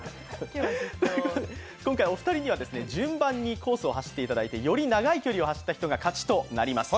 今回お二人には順番にコースを走っていただいてより長い距離を走った人が勝ちとなります。